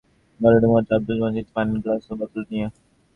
ঘরে ঢোকামাত্র আব্দুল মজিদ এল পানির গ্লাস ও বোতল নিয়ে।